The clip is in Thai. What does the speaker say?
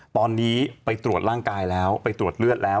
ตอนนี้ไปตรวจร่างกายแล้วไปตรวจเลือดแล้ว